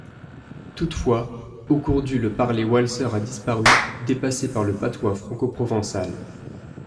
Toutefois, au cours du le parler walser a disparu, dépassé par le patois francoprovençal.